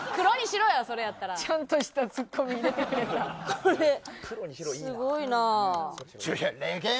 これすごいな。